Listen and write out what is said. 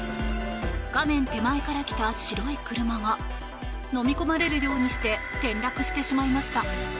画面手前から来た白い車がのみ込まれるようにして転落してしまいました。